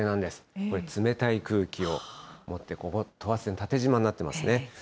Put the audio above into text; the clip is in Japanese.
これ、冷たい空気を持って、ここ等圧線、縦じまになってますね。